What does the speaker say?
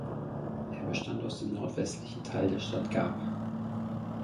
Er bestand aus dem nordwestlichen Teil der Stadt Gap.